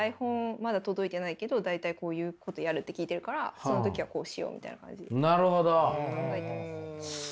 まだ届いてないけど大体こういうことやるって聞いてるからその時はこうしようみたいな感じで考えてます。